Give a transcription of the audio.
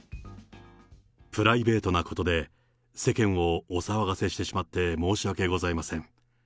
プライベートなことで世間をお騒がせしてしまって申し訳ありません。